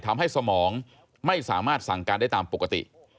สมองไม่สามารถสั่งการได้ตามปกติ